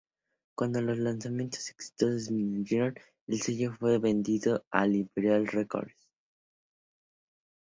Cuando los lanzamientos exitosos disminuyeron, el sello fue vendido a Imperial Records.